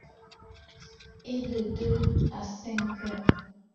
et de deux à cinq h.